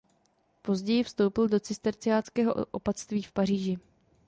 Později vstoupil do cisterciáckého opatství v Paříži.